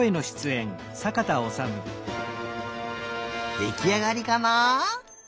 できあがりかな？